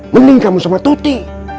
mending kamu sama tuti